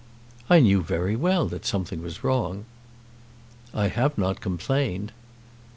"I knew very well that something was wrong." "I have not complained."